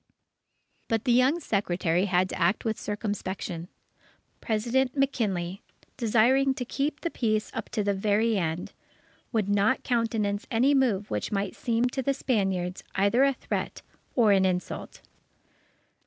But the young Secretary had to act with circumspection. President McKinley, desiring to keep the peace up to the very end, would not countenance any move which might seem to the Spaniards either a threat or an insult.